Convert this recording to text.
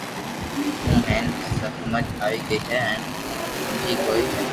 ھو ھين ھمج آئي گئي ھي ھين ھمج ڪوئي